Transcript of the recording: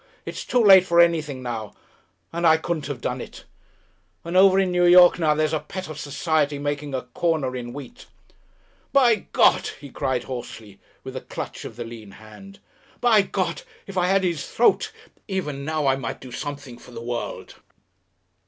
It's too late for anything now! And I couldn't have done it.... And over in New York now there's a pet of society making a corner in wheat! "By God!" he cried hoarsely, with a clutch of the lean hand. "By God! If I had his throat! Even now I might do something for the world."